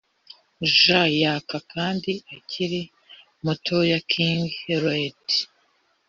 jaun yaka kandi akiri muto king lear,